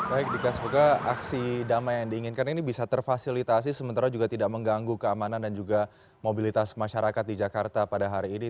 baik dika semoga aksi damai yang diinginkan ini bisa terfasilitasi sementara juga tidak mengganggu keamanan dan juga mobilitas masyarakat di jakarta pada hari ini